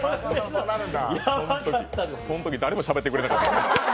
そのとき誰もしゃべってくれなかった。